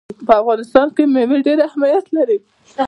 په افغانستان کې مېوې ډېر اهمیت لري.